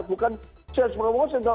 bukan sales promotion